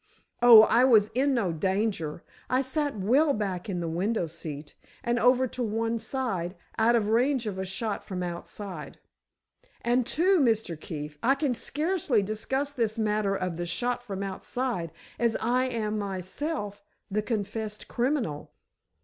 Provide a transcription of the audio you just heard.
"Oh, I was in no danger. I sat well back in the window seat, and over to one side, out of range of a shot from outside. And, too, Mr. Keefe, I can scarcely discuss this matter of the shot from outside, as I am, myself, the confessed criminal."